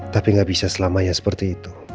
tapi nggak bisa selamanya seperti itu